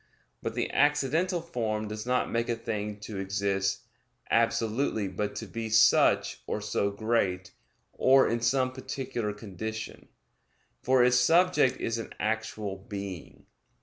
But the accidental form does not make a thing to exist absolutely but to be such, or so great, or in some particular condition; for its subject is an actual being.